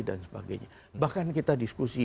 dan sebagainya bahkan kita diskusi